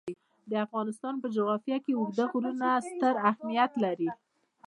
د افغانستان جغرافیه کې اوږده غرونه ستر اهمیت لري.